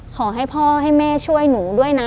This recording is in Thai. ขอให้พ่อให้แม่ช่วยหนูด้วยนะ